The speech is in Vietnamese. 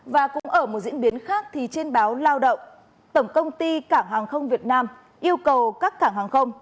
và cũng ở một diễn biến khác thì trên báo lao động tổng công ty cảng hàng không việt nam yêu cầu các cảng hàng không